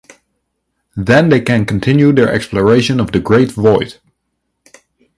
Then they can continue their exploration of the Great Void.